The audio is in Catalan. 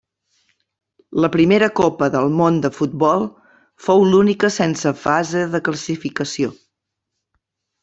La primera Copa del Món de futbol fou l'única sense fase de classificació.